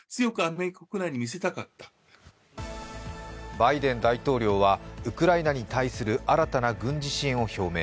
バイデン大統領はウクライナに対する新たな軍事支援を表明。